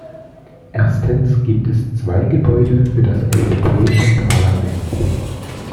Erstens gibt es zwei Gebäude für das Europäische Parlament.